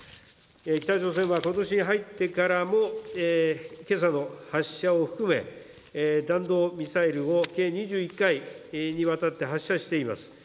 北朝鮮はことしに入ってからも、けさの発射を含め、弾道ミサイルを計２１回にわたって発射しています。